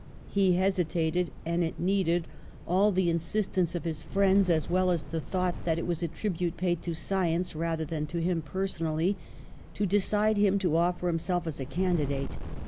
He hesitated, and it needed all the 140 PASTEUR insistence of his friends, as well as the thought that it was a tribute paid to science rather than to him personally, to decide him to offer him self as a candidate.